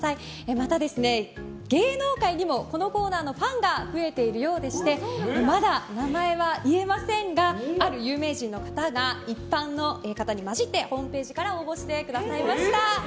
また、芸能界にもこのコーナーのファンが増えてるようでしてまだ名前は言えませんがある有名人の方が一般の方に交じってホームページから応募してくださいました。